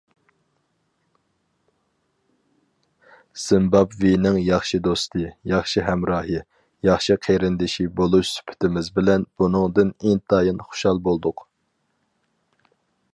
زىمبابۋېنىڭ ياخشى دوستى، ياخشى ھەمراھى، ياخشى قېرىندىشى بولۇش سۈپىتىمىز بىلەن، بۇنىڭدىن ئىنتايىن خۇشال بولدۇق.